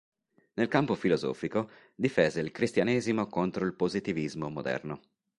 Nel campo filosofico, difese il cristianesimo contro il positivismo moderno.